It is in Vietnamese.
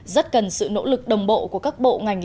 rất cần sự nỗ lực đồng bộ của các bộ ngành liên tục